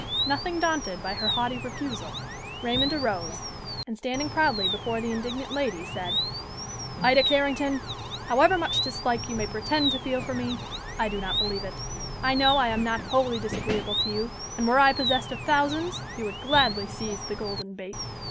Nothing daunted by her haughty refusal, Raymond arose, and standing proudly before the indignant lady said, "Ida Carrington, however much dislike you may pretend to feel for me I do not believe it. I know I am not wholly disagreeable to you, and were I possessed of thousands, you would gladly seize the golden bait.